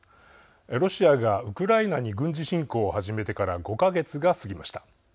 ロシアがウクライナに軍事侵攻を始めてから５か月が過ぎました。